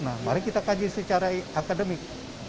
nah mari kita kaji secara akademik